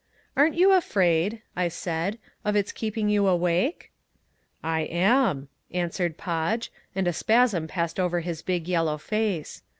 "Aren't you afraid," I said, "of its keeping you awake?" "I am," answered Podge, and a spasm passed over his big yellow face.